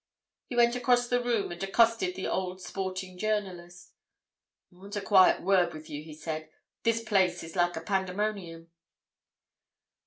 He went across the room and accosted the old sporting journalist. "I want a quiet word with you," he said. "This place is like a pandemonium."